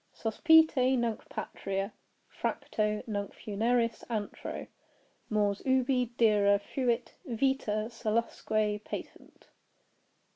Sospite nunc patria, fracto nunc funeris antro, Mors ubi dira fuit vita salusque patent.